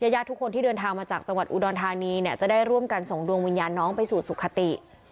ญาติทุกคนที่เดินทางมาจากจังหวัดอุดรธานีเนี่ยจะได้ร่วมกันส่งดวงวิญญาณน้องไปสู่สุขติ